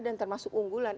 dan termasuk unggulan